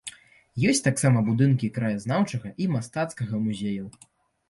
Ёсць таксама будынкі краязнаўчага і мастацкага музеяў.